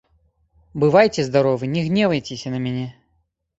Бывайце здаровы, не гневайцеся на мяне.